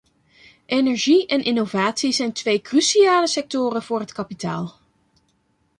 Energie en innovatie zijn twee cruciale sectoren voor het kapitaal.